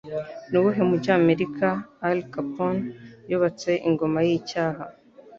Nuwuhe mujyi wa Amerika Al Capone Yubatse Ingoma Yicyaha?